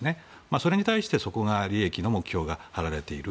それに対して、そこに利益の目標が張られている。